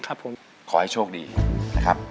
ขอให้โชคดีนะครับ